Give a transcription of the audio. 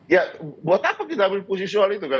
ya buat apa kita ambil posisi soal itu kan